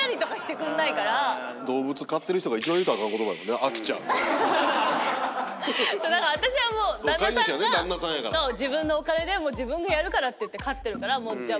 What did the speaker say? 「飽きちゃう」だから私はもう旦那さんが自分のお金で自分がやるからって言って飼ってるからじゃあ